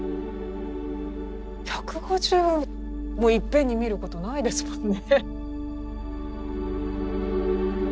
１５０もいっぺんに見ることないですもんね。